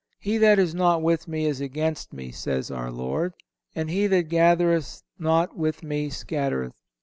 "He that is not with Me is against Me," says our Lord, "and he that gathereth not with Me scattereth."